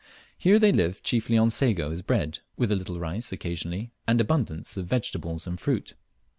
Here, they live chiefly on sago as bread, with a little rice occasionally, and abundance of vegetables and fruit.